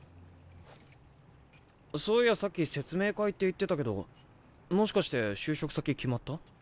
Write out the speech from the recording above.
そういやさっき説明会って言ってたけどもしかして就職先決まった？